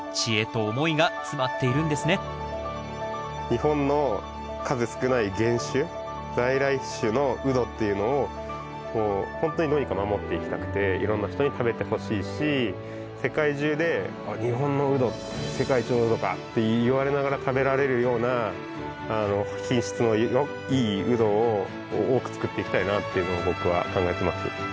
日本の数少ない原種在来種のウドっていうのをもうほんとにどうにか守っていきたくていろんな人に食べてほしいし世界中で「あっ日本のウド世界一のウドか！」って言われながら食べられるような品質のいいウドを多く作っていきたいなっていうのを僕は考えてます。